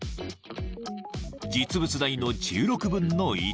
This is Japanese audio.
［実物大の１６分の１］